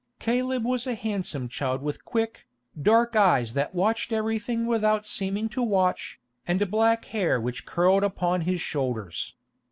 Caleb was a handsome child with quick, dark eyes that watched everything without seeming to watch, and black hair which curled upon his shoulders.